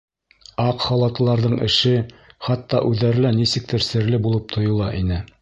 — Аҡ халатлыларҙың эше, хатта үҙҙәре лә нисектер серле булып тойола ине.